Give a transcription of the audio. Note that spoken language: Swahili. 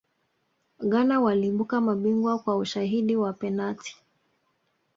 ghana waliibuka mabingwa kwa ushindi kwa penati